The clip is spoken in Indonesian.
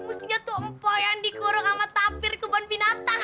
mustinya tuh empok yang dikurung sama tapir kebun binatang